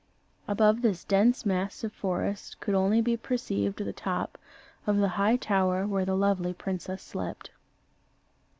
Above this dense mass of forest could only be perceived the top of the high tower where the lovely princess slept.